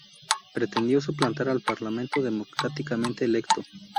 Pretendió suplantar al Parlamento democráticamente electo.